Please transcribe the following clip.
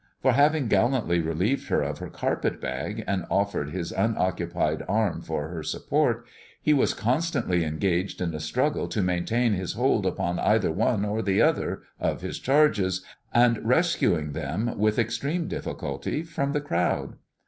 For having gallantly relieved her of her carpetbag, and offered his unoccupied arm for her support, he was constantly engaged in a struggle to maintain his hold upon either one or the other of his charges, and rescuing them with extreme difficulty from the crowd.